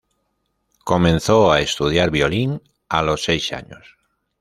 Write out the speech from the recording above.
Comenzó a estudiar violín a los seis años.